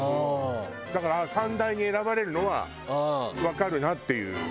だから三大に選ばれるのはわかるなっていう料理。